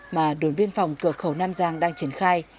mà đồn biên phòng cửa khẩu nam giang đang triển khai